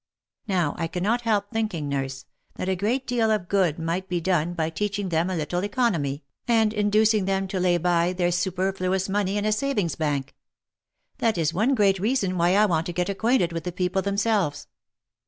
Now, I cannot help thinking, nurse, that a great deal of good might be done by teaching them a little economy, and inducing them to lay by their superfluous money in a savings bank. That is one great reason why I want to get acquainted with the people themselves.